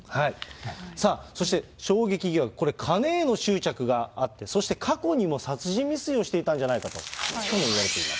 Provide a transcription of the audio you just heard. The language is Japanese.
さあ、そして衝撃疑惑、これ、金への執着があって、そして過去にも殺人未遂をしていたんじゃないかとも言われています。